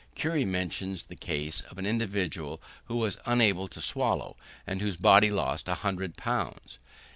Currie mentions the case of an individual who was unable to swallow, and whose body lost 100 lbs.